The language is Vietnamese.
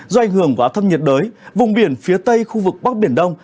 do ảnh hưởng của áp thấp nhiệt đới vùng biển phía tây khu vực bắc biển đông